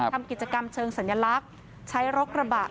ทำกิจกรรมเชิงสัญลักษณ์ใช้รกระบะ